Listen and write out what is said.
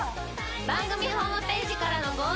番組ホームページからのご応募。